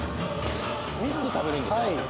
３つ食べるんですか？